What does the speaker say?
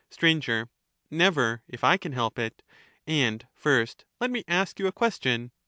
Sir. Never, if I can help it ; and, first, let me ask you a question.